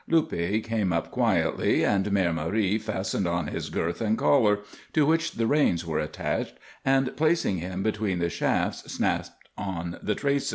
Luppe came up quietly, and Mère Marie fastened on his girth and collar, to which the reins were attached, and placing him between the shafts snapped on the traces.